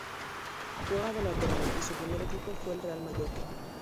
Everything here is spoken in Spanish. Juega de lateral y su primer equipo fue el Real Mallorca.